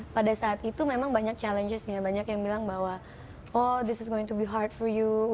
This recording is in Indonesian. pada saat itu memang banyak tantangannya banyak yang bilang bahwa ini akan sulit untuk anda